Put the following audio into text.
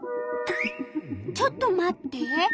ちょっと待って！